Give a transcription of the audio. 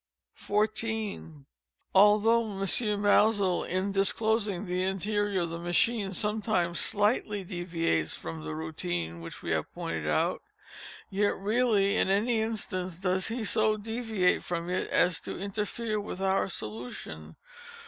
14. Although M. Maelzel, in disclosing the interior of the machine, sometimes slightly deviates from the _routine _which we have pointed out, yet _reeler in _any instance does he _so _deviate from it as to interfere with our solution.